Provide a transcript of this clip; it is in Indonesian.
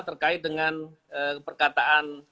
terkait dengan perkataan